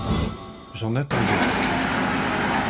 J’en attends d’autres.